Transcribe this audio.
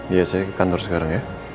iya saya ke kantor sekarang ya